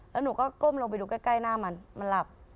แล้วหนูก็ก้มลงไปดูใกล้หน้ามันมันหลับ